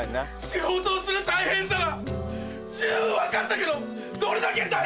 仕事をする大変さ十分分かったけどどれだけ大変か。